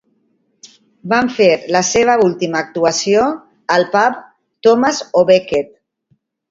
Van fer la seva última actuació al pub Thomas O'Becket.